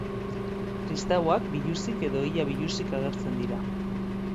Kristauak biluzik edo ia biluzik agertzen dira.